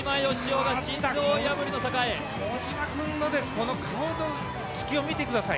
小島君の顔つきを見てください。